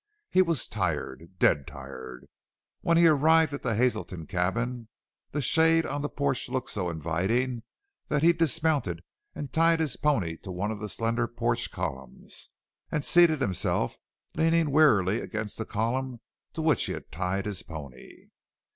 He was tired dead tired. When he arrived at the Hazelton cabin the shade on the porch looked so inviting that he dismounted, tied his pony to one of the slender porch columns, and seated himself, leaning wearily against the column to which he had tied his pony.